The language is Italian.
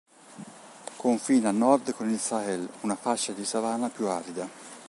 Confina a nord con il Sahel, una fascia di savana più arida.